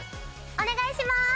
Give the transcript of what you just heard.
お願いします。